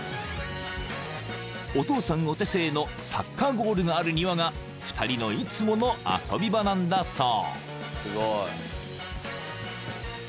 ［お父さんお手製のサッカーゴールがある庭が２人のいつもの遊び場なんだそう］